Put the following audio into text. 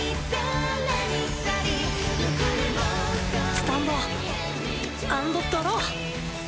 スタンドアンドドロー！